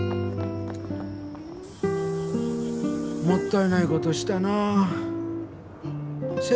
もったいないことしたなあ。